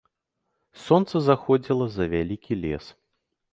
Сонца заходзіла за вялікі лес.